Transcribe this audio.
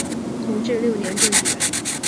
同治六年中举人。